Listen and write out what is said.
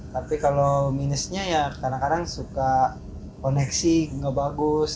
tapi kalau minusnya ya kadang kadang suka koneksi nggak bagus